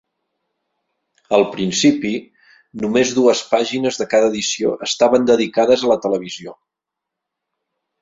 Al principi, només dues pàgines de cada edició estaven dedicades a la televisió.